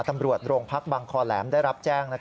ตำรวจโรงพักบังคอแหลมได้รับแจ้ง